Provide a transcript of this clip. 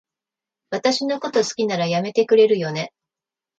私のこと好きなら、やめてくれるよね？